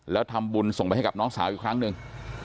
แล้วทำบุญส่งไปให้กับน้องสาวอีกครั้งหนึ่ง